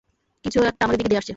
কিছু একটা আমাদের দিকে ধেয়ে আসছে!